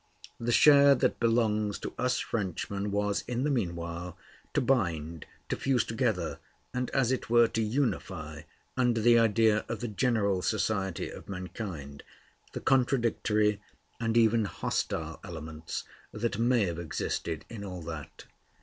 The share that belongs to us Frenchmen was, in the meanwhile, to bind, to fuse together, and as it were to unify under the idea of the general society of mankind, the contradictory and even hostile elements that may have existed in all that.